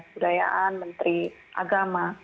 kebudayaan menteri agama